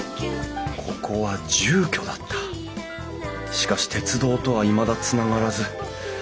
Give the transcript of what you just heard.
しかし鉄道とはいまだつながらず。